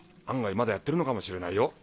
案外まだやってるのかもしれないよ